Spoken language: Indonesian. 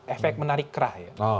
efek menarik kerah